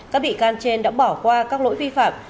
các bị can trên đã bỏ qua các lỗi vi phạm